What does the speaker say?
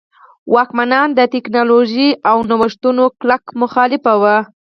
واکمنان د ټکنالوژۍ او نوښتونو کلک مخالف وو.